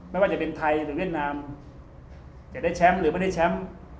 ไม่ว่าจะเป็นไทยหรือเวียดนามจะได้แชมป์หรือไม่ได้แชมป์